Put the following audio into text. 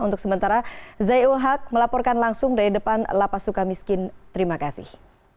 untuk sementara zai ul haq melaporkan langsung dari depan lapas suka miskin terima kasih